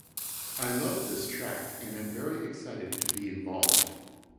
I love this track and am very excited to be involved.